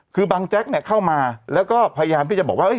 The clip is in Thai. คือบางแจ๊กเนี่ยเข้ามาแล้วก็พยายามที่จะบอกว่า